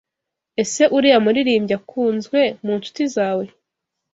Ese uriya muririmbyi akunzwe mu nshuti zawe?